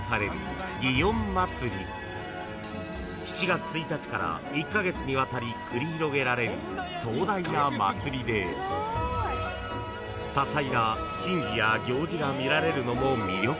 ［７月１日から１カ月にわたり繰り広げられる壮大な祭りで多彩な神事や行事が見られるのも魅力の一つ］